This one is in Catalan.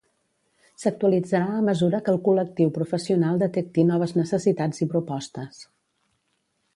S'actualitzarà a mesura que el col·lectiu professional detecti noves necessitats i propostes.